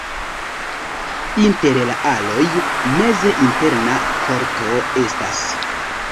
Inter la aloj meze interna korto estas.